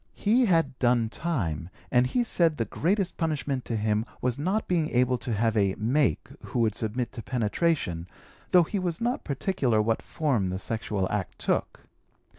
He had 'done time' and he said the greatest punishment to him was not being able to have a 'make' who would submit to penetration, though he was not particular what form the sexual act took.